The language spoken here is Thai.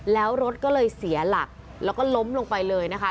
แล้วรถก็เลยเสียหลักแล้วก็ล้มลงไปเลยนะคะ